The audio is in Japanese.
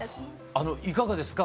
あのいかがですか？